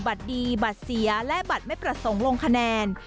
บัตรดีบัตรเสียและบัตรไม่ประสงค์ลงคะแนน